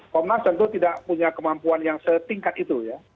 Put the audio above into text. komnas tentu tidak punya kemampuan yang setingkat itu ya